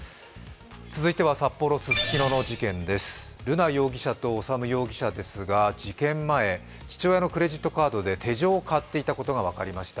続いては札幌・ススキノの事件です瑠奈容疑者と修容疑者ですが、事件前、父親のクレジットカードで手錠を買っていたことが分かりました。